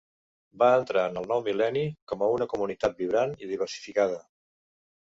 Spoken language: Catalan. Va entrar en el nou mil·lenni com a una comunitat vibrant i diversificada.